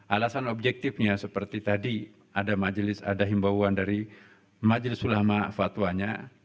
alasan objektifnya seperti tadi ada majelis ada himbauan dari majelis ulama fatwanya